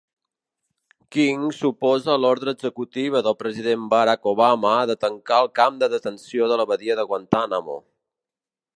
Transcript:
King s'oposa a l'ordre executiva del president Barack Obama de tancar el camp de detenció de la badia de Guantánamo.